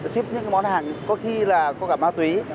ship những món hàng có khi là có cả ma túy